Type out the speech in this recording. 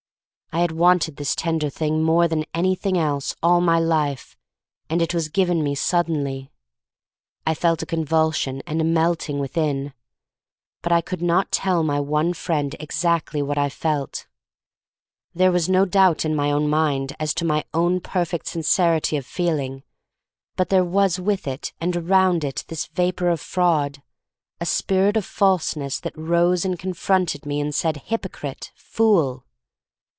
I had wanted this ten der thing more than anything else all my life, and it was given me suddenly. I felt a convulsion and a melting, within. But I could riot tell my one friend ex 136 THE STORY OF MARY MAC LANK actly what I felt. There was no doubt in my own mind as to my own perfect sincerity of feeling, but there was with it and around it this vapor of fraud, a spirit of falseness that rose and con fronted me and said, "hypocrite," "fool."